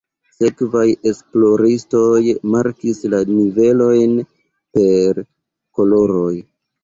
Sekvaj esploristoj markis la nivelojn per koloroj.